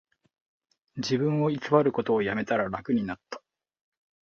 自分を偽ることをやめたら楽になった